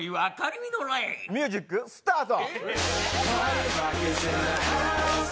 ミュージックスタート！